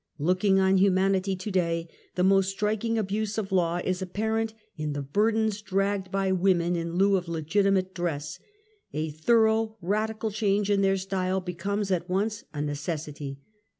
Looking on humanity to day, the most strik ing abuse of law is apparent in the burdeus dragged by women in lieu of legitimate dress. A thorough, radical change in their style becomes at once a ne cessity.